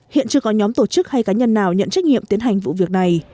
hiện chưa có nhóm tổ chức hay cá nhân nào nhận trách nhiệm tiến hành vụ việc này